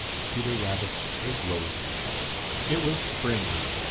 IV PETER RABBIT'S EGG ROLLING It was spring.